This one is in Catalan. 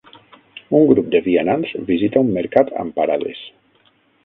Un grup de vianants visita un mercat amb parades.